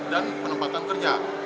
dan penempatan kerja